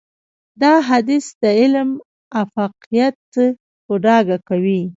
دا حديث د علم افاقيت په ډاګه کوي.